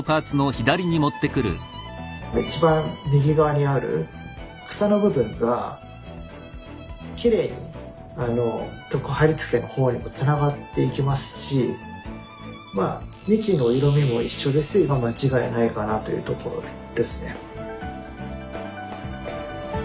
一番右側にある草の部分がきれいに床貼付の方にもつながっていきますしまあ幹の色みも一緒ですし間違いないかなというところですね。